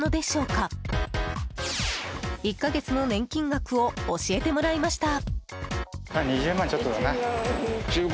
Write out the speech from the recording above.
１か月の年金額を教えてもらいました。